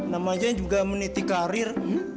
namanya juga meniti karir